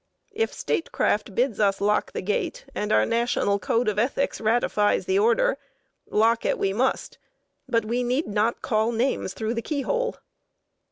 If statecraft bids us lock the gate, and our national code of ethics ratifies the order, lock it we must, but we need not call names through the keyhole.